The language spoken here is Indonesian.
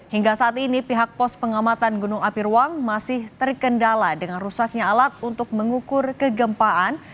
hingga saat ini pihak pos pengamatan gunung api ruang masih terkendala dengan rusaknya alat untuk mengukur kegempaan